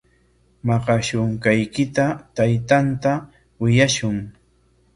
Maqashunqaykita taytanta willashun.